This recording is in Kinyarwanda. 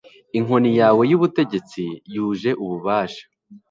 inkoni yawe y'ubutegetsi, yuje ububasha